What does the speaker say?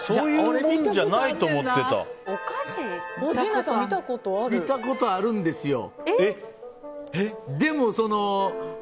俺、見たことあるんですよ。